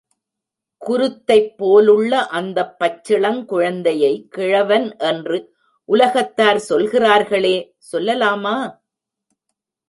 குருத்தைப் போலுள்ள அந்தப் பச்சிளம் குழந்தையை கிழவன் என்று உலகத்தார் சொல்கிறார்களே சொல்லலாமா?